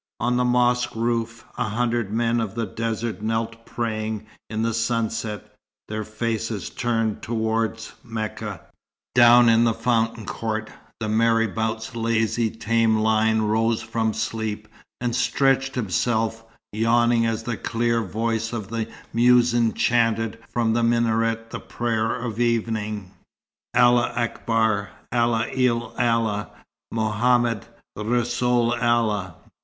On the mosque roof a hundred men of the desert knelt praying in the sunset, their faces turned towards Mecca. Down in the fountain court, the marabout's lazy tame lion rose from sleep and stretched himself, yawning as the clear voice of the muezzin chanted from the minaret the prayer of evening, "Allah Akbar, Allah il Allah, Mohammed r'soul Allah."